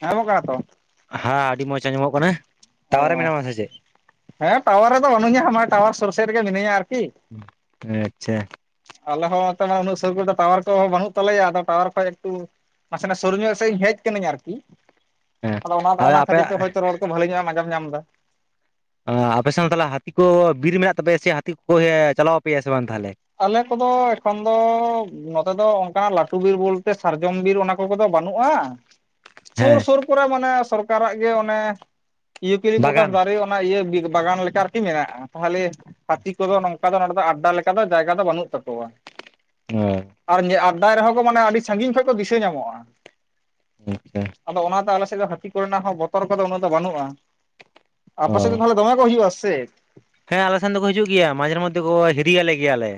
ᱦᱮᱸ [unintelligible] ᱦᱮᱸ ᱟᱹᱰᱤ ᱢᱚᱸᱡᱽ ᱟᱸᱡᱚᱢᱚᱜ ᱠᱟᱱᱟ ᱴᱟᱣᱟᱨ ᱨᱮ ᱚ ᱢᱮᱱᱟᱢᱟ ᱥᱮ ᱪᱮᱫ? ᱦᱮᱸ ᱴᱟᱣᱟᱨ ᱨᱮᱫᱚ ᱵᱟᱹᱱᱩᱧᱟ ᱢᱟᱱᱮ ᱴᱟᱣᱟᱨ ᱥᱩᱨ ᱥᱮᱫ ᱨᱮᱜᱮ ᱢᱤᱱᱟᱹᱧᱟ ᱟᱨᱠᱤ᱾ ᱟᱪᱪᱷᱟ ᱟᱞᱮ ᱦᱚᱸ ᱱᱚᱛᱮ ᱢᱟ ᱩᱱᱟᱹᱜ ᱥᱩᱨ ᱠᱚᱨᱮ ᱫᱚ ᱴᱟᱣᱟᱨ ᱠᱚᱦᱚ ᱵᱟᱹᱱᱩᱜ ᱛᱟᱞᱮᱭᱟ ᱟᱫᱚ ᱴᱟᱣᱟᱨ ᱠᱷᱚᱭ ᱮᱠᱴᱩ ᱱᱟᱥᱮ ᱱᱟᱜ ᱥᱳᱨᱧᱚᱜ ᱥᱮᱫ ᱦᱮᱡ ᱠᱟᱹᱱᱟᱹᱧ ᱟᱨᱠᱤ ᱦᱮᱸ ᱟᱫᱚ ᱚᱱᱟ ᱟᱨ ᱚᱱᱟ ᱠᱷᱟᱹᱛᱤᱨ ᱛᱮ ᱟᱯᱮᱭᱟᱜ ᱦᱚᱭᱛᱚ ᱨᱚᱲ ᱠᱚ ᱵᱟᱹᱞᱮ ᱧᱚᱜ-ᱮᱢ ᱟᱸᱡᱚᱢ ᱧᱟᱢ ᱮᱫᱟ᱾ ᱟᱯᱮ ᱥᱮᱱ ᱛᱟᱦᱚᱞᱮ ᱦᱟᱹᱛᱤ ᱠᱚ ᱵᱤᱨ ᱢᱮᱱᱟᱜ ᱛᱟᱯᱮᱭᱟ ᱥᱮ ᱦᱟᱹᱛᱤ ᱠᱚ ᱪᱟᱞᱟᱣ ᱟᱯᱮᱭᱟ ᱥᱮ ᱵᱟᱝ ᱛᱟᱦᱚᱞᱮ? ᱟᱞᱮ ᱠᱚᱫᱚ ᱮᱠᱷᱚᱱ ᱫᱚ ᱱᱚᱛᱮ ᱫᱚ ᱚᱱᱠᱟᱱᱟᱜ ᱞᱟᱹᱴᱩ ᱵᱤᱨ ᱵᱚᱞᱛᱮ ᱥᱟᱨᱡᱚᱢ ᱵᱤᱨ ᱚᱱᱟ ᱠᱚ ᱠᱚᱫᱚ ᱵᱟᱹᱱᱩᱜᱼᱟ᱾ ᱥᱳᱨᱼ ᱦᱮᱸ ᱥᱳᱨ ᱠᱚᱨᱮ ᱢᱟᱱᱮ ᱥᱚᱨᱠᱟᱨᱟᱜ ᱜᱮ ᱚᱱᱮ ᱤᱭᱩᱠᱞᱤᱯᱳᱴᱟᱥ ᱵᱟᱜᱟᱱ ᱫᱟᱨᱮ ᱚᱱᱟ ᱤᱭᱟᱹ ᱵᱤ ᱵᱟᱜᱟᱱ ᱞᱮᱠᱟ ᱟᱨᱠᱤ ᱢᱮᱱᱟᱜᱼᱟ ᱛᱟᱦᱚᱞᱮ ᱦᱟᱹᱛᱤ ᱠᱚᱫᱚ ᱱᱚᱝᱠᱟ ᱱᱚᱰᱮ ᱫᱚ ᱟᱰᱰᱟ ᱞᱮᱠᱟ ᱞᱮᱠᱟ ᱫᱚ ᱡᱟᱭᱜᱟ ᱫᱚ ᱵᱟᱹᱱᱩᱜ ᱛᱟᱠᱚᱣᱟ᱾ ᱦᱳᱭ ᱟᱨ ᱟᱰᱰᱟᱭ ᱨᱮᱦᱚᱸ ᱠᱚ ᱢᱟᱱᱮ ᱟᱹᱰᱤ ᱥᱟᱺᱜᱤᱧ ᱠᱷᱚᱱ ᱠᱚ ᱫᱤᱥᱟᱹ ᱧᱟᱢᱚᱜᱼᱟ᱾ ᱟᱪᱪᱷᱟ ᱟᱫᱚ ᱚᱱᱟᱛᱮ ᱟᱞᱮ ᱥᱮᱫ ᱫᱚ ᱦᱟᱹᱛᱤ ᱠᱚᱨᱮᱱᱟᱜ ᱦᱚᱸ ᱵᱚᱛᱚᱨ ᱠᱚᱫᱚ ᱩᱱᱟᱹᱜ ᱫᱚ ᱵᱟᱹᱱᱩᱜᱼᱟ᱾ ᱟᱯᱮ ᱥᱮᱫ ᱚ ᱫᱚ ᱛᱚᱞᱮ? ᱫᱚᱢᱮ ᱠᱚ ᱦᱤᱡᱩ ᱟᱥᱮ᱾ ᱦᱮᱸ ᱟᱞᱮ ᱥᱮᱱ ᱫᱚᱠᱚ ᱦᱤᱡᱩᱜ ᱜᱮᱭᱟ ᱢᱟᱡᱷᱮ ᱢᱚᱫᱽᱫᱷᱮ ᱠᱚ ᱦᱤᱨᱤᱭᱟᱞᱮ ᱜᱮᱭᱟᱞᱮ